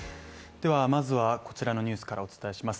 ではまずはこちらのニュースからお伝えします